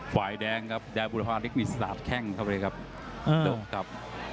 ฝ่ายแดงครับแดงบุรพาเล็กนี่สาดแข้งเข้าไปเลยครับ